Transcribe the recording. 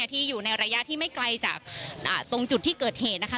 ที่อยู่ในระยะที่ไม่ไกลจากตรงจุดที่เกิดเหตุนะคะ